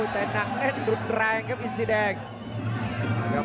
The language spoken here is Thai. แต่หนังนั่นรุดแรงครับสีแดง